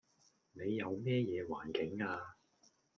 你又咩嘢環境呀